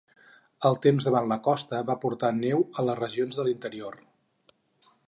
El temps davant la costa va portar neu a les regions de l'interior.